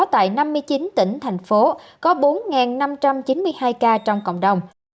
tại năm mươi chín tỉnh thành phố có bốn năm trăm chín mươi hai ca trong cộng đồng